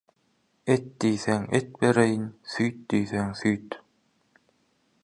Et diýsеň et bеrеýin, süýt diýsеň süýt.